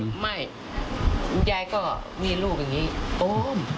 ไม่คุณยายก็มีลูกอย่างนี้โอม